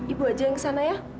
ibu aja yang kesana ya